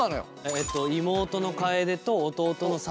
えっと妹の楓と弟の聡。